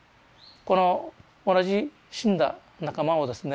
この同じ死んだ仲間をですね